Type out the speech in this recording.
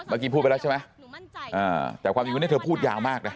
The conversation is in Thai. เมื่อกี้พูดไปแล้วใช่ไหมอ่าแต่ความจริงว่านี้เธอพูดยาวมากนะ